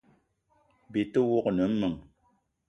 Byi te wok ne meng :